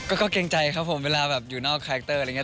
ก็เกรงใจครับผมเวลาอยู่นอกคาแรกเตอร์อะไรเงี้ย